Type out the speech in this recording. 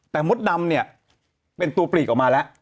แต่มดดำเนี่ยเป็นตัวปลีกออกมาแล้ว